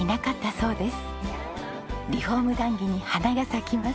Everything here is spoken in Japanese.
そうです。